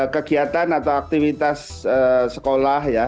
kegiatan atau aktivitas sekolah ya